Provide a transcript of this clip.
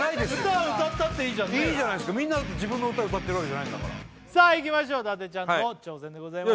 歌歌ったっていいじゃんねいいじゃないですか自分の歌歌ってるわけじゃないんだからさあいきましょう伊達ちゃんの挑戦でございます